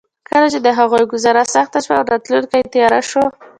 کله چې د هغوی ګوزاره سخته شوه او راتلونکې تياره شوه.